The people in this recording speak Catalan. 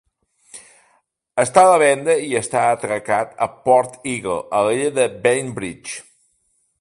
Està a la venda i està atracat a Port Eagle, a l'illa de Bainbridge.